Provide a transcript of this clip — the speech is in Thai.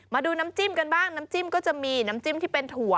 มาดูน้ำจิ้มกันบ้างน้ำจิ้มก็จะมีน้ำจิ้มที่เป็นถั่ว